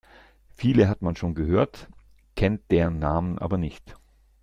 Viele hat man schon mal gehört, kennt deren Namen aber nicht.